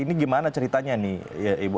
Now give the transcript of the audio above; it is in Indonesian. ini gimana ceritanya nih